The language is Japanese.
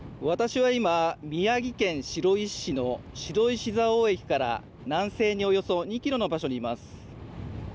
私は今、宮城県白石市の白石蔵王駅から南西におよそ２キロの場所にいます。